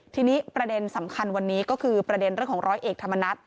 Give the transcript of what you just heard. ทีนี้ประเด็นสำคัญวันนี้ก็คือประเด็นเรื่องของร้อยเอกธรรมนัฐ